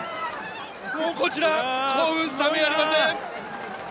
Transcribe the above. こちら、興奮冷めやりません